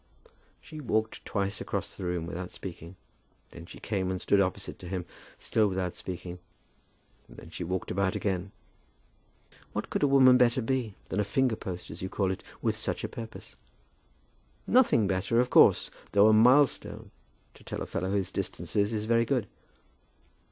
She walked twice across the room without speaking. Then she came and stood opposite to him, still without speaking, and then she walked about again. "What could a woman better be, than a finger post, as you call it, with such a purpose?" "Nothing better, of course; though a milestone to tell a fellow his distances, is very good."